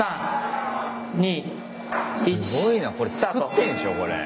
すごいなこれ作ってんでしょこれ。